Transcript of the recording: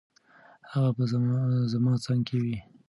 هغه به زما څنګ کې وي.